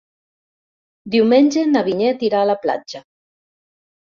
Diumenge na Vinyet irà a la platja.